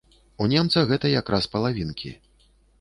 У немца гэта якраз палавінкі.